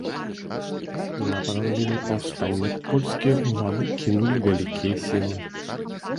На падаўленне паўстання польскія ўлады кінулі вялікія сілы.